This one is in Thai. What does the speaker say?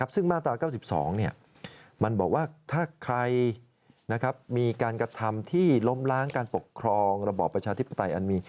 ซึ่งมาตรา๙๒มันบอกว่าถ้าใครมีการกระทำที่ล้มล้างการปกครองระบอบประชาธิปไตยอันมี